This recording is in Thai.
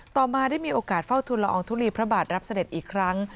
ต่อมาได้มีโอกาสเฝ้าทุนละอองทุลีพระบาทรับเสด็จอีกครั้ง